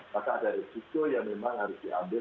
maka ada risiko yang memang harus diambil